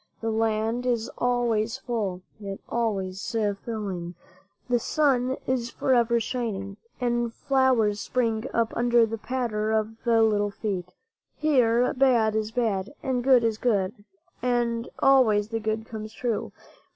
The land is always full, yet always filling; the sun is forever shining, and flowers spring up under the patter of little feet. Here bad is bad, and good is good, and always the good comes true.